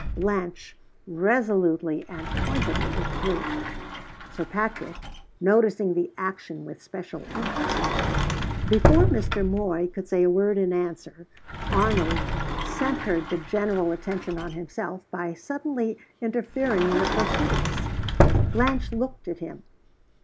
Blanche resolutely and pointedly withdrew it Sir Patrick noticing the action with special interest. Before Mr. Moy could say a word in answer, Arnold centred the general attention on himself by suddenly interfering in the proceedings. Blanche looked at him.